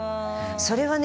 それはね